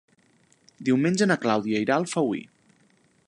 Diumenge na Clàudia irà a Alfauir.